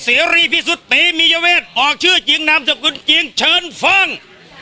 เสรีพิสุทธิ์เตมียเวทออกชื่อจริงนามสกุลจริงเชิญฟัง